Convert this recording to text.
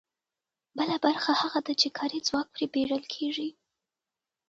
بله برخه هغه ده چې کاري ځواک پرې پېرل کېږي